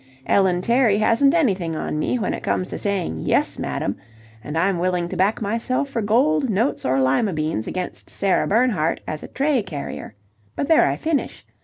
Ellen Terry hasn't anything on me when it comes to saying 'Yes, madam,' and I'm willing to back myself for gold, notes, or lima beans against Sarah Bernhardt as a tray carrier. But there I finish.